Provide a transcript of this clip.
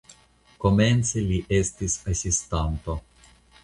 Komence li estis asistanto.